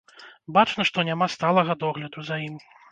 Бачна, што няма сталага догляду за ім.